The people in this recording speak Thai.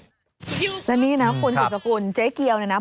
และนี่นะคุณศูนย์สกุลเจ๊เกียวนะนะ